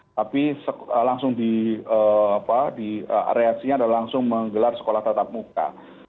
tapi reaksinya adalah langsung menggelar sekolah tatap muka